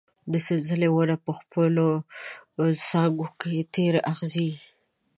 د سنځلې ونه په خپلو څانګو کې تېره اغزي